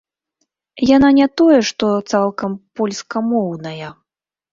Яна не тое што цалкам польскамоўная.